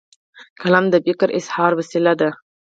قلم د فکر اظهار وسیله ده.